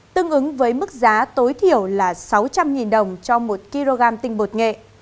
tương ứng với mức giá tối thiểu là sáu trăm linh đồng cho một kg tinh bột nghệ